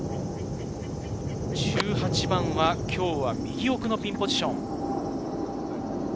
１８番は今日は右奥のピンポジション。